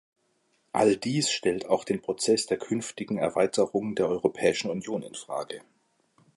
All dies stellt auch den Prozess der künftigen Erweiterung der Europäischen Union in Frage.